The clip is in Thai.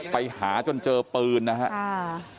ไปหาจนเจอปืนนะครับ